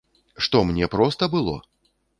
Што мне проста было?